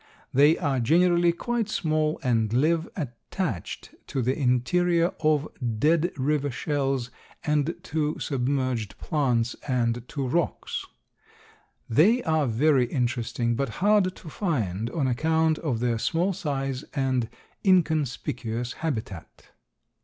They are generally quite small and live attached to the interior of dead river shells and to submerged plants and to rocks. They are very interesting, but hard to find on account of their small size and inconspicuous habitat.